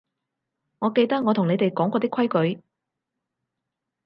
我記得我同你哋講過啲規矩